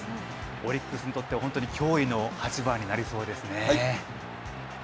オリックスにとって、本当に脅威の８番になりそうですね。